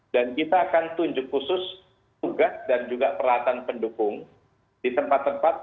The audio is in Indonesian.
dan kita akan tunjuk khusus tugas dan juga peralatan pendukung di tempat tempat